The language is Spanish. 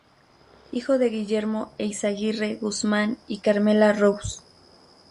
Hijo de Guillermo Eyzaguirre Guzmán y Carmela Rouse.